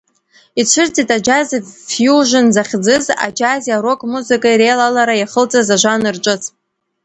Ицәырҵит аџьаз-фиужн захьӡыз, аџьази арок музыкеи реилалара иахылҵыз ажанр ҿыц.